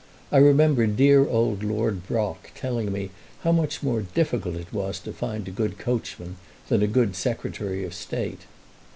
I remember dear old Lord Brock telling me how much more difficult it was to find a good coachman than a good Secretary of State."